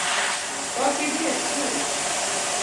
Pok idhi e sikul